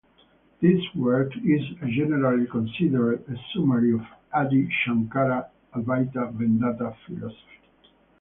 This work is generally considered a summary of Adi Shankara's Advaita Vedanta philosophy.